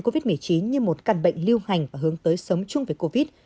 covid một mươi chín như một căn bệnh lưu hành và hướng tới sống chung với covid